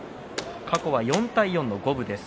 過去は４対４の五分です。